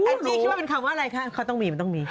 แองจีชื่อว่าเป็นคำอะไรแฟนคลับมันต้องมี